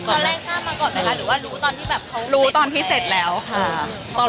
ก็แรกทราบมาก่อนเลยค่ะหรือว่ารู้ตอนที่แบบเขาเสร็จแล้ว